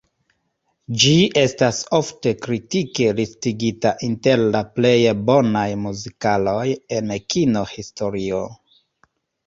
Ĝi estas ofte kritike listigita inter la plej bonaj muzikaloj en kino-historio.